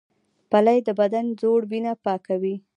پلی د بدن زوړ وینه پاکوي